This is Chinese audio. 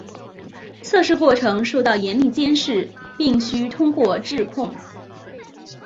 测试过程受到严密监视并须通过质控。